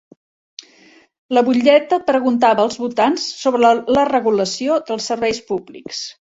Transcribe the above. La butlleta preguntava els votants sobre la regulació dels serveis públics.